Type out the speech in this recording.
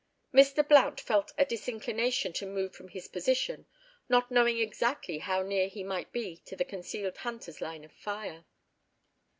Mr. Blount felt a disinclination to move from his position, not knowing exactly how near he might be to the concealed hunter's line of fire.